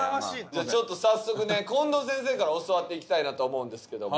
じゃあちょっと早速ね近藤先生から教わっていきたいなと思うんですけども。